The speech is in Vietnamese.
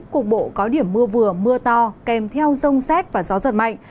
cục bộ có điểm mưa vừa mưa to kèm theo rông xét và gió giật mạnh